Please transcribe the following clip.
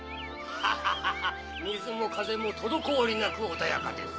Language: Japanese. ハハハ水も風も滞りなく穏やかです。